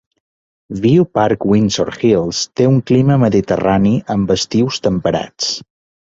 View Park-Windsor Hills té un clima Mediterrani, amb estius temperats.